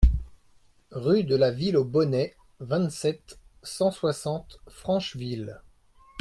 Rue de la Ville Aux Bonnets, vingt-sept, cent soixante Francheville